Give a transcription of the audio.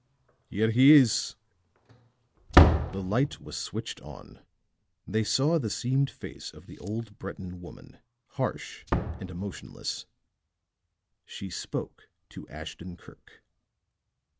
"Here he is." The light was switched on; they saw the seamed face of the old Breton woman, harsh and emotionless. She spoke to Ashton Kirk.